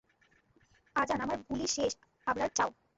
আজান, আমার গুলি শেষ আবরার, যাও।